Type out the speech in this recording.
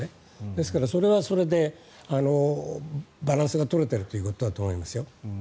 ですからそれはそれでバランスが取れているということだと思うんです。